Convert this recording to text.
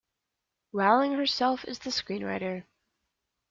Rowling herself is the screenwriter.